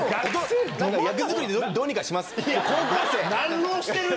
それは役作りでどうにかします。